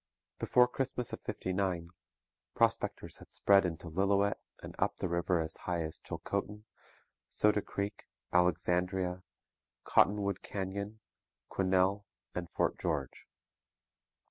Before Christmas of '59 prospectors had spread into Lillooet and up the river as high as Chilcotin, Soda Creek, Alexandria, Cottonwood Canyon, Quesnel, and Fort George.